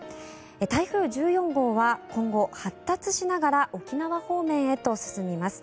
台風１４号は今後、発達しながら沖縄方面と進みます。